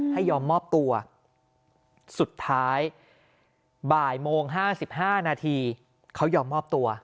ให้ยอมมอบตัวสุดท้ายบ่ายโมง๕๕นาทีเขายอมมอบตัว